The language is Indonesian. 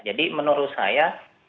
jadi menurut saya